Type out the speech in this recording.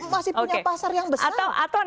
masih punya pasar yang besar